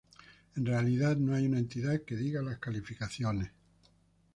En realidad, no hay una entidad que diga las calificaciones.